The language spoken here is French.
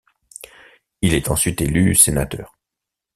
Il est ensuite élu sénateur.